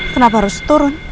kenapa harus turun